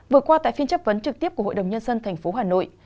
vừa qua tại phiên chất vấn trực tiếp của hội đồng nhân dân tp hà nội